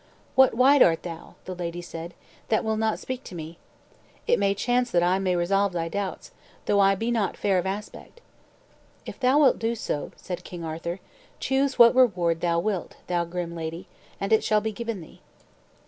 "What wight art thou," the lady said, "that will not speak to me? It may chance that I may resolve thy doubts, though I be not fair of aspect." "If thou wilt do so," said King Arthur, "choose what reward thou wilt, thou grim lady, and it shall be given thee."